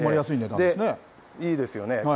いいですよね。